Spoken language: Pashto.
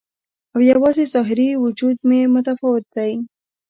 او یوازې ظاهري وجود مې متفاوت دی